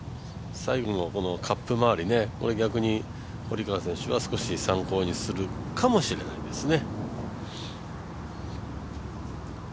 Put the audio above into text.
最後のカップ周り、逆に堀川選手は少し参考にするかもしれないですね。